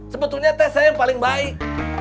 sebetulnya tes saya yang paling baik